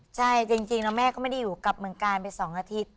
ใช่จริงแล้วแม่ก็ไม่ได้อยู่กลับเมืองกาลไป๒อาทิตย์